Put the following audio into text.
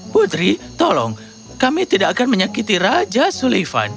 putri tolong kami tidak akan menyakiti raja sulivan